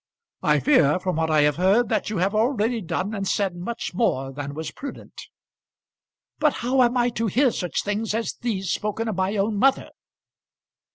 I fear from what I have heard that you have already done and said much more than was prudent." "But how am I to hear such things as these spoken of my own mother?"